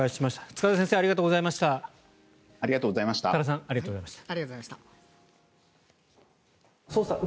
塚田先生、多田さんありがとうございました。